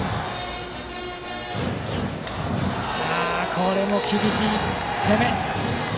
これも厳しい攻め。